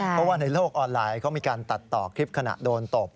เพราะว่าในโลกออนไลน์เขามีการตัดต่อคลิปขณะโดนตบ